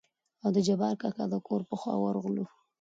او د جبار کاکا دکور په خوا ورغلو.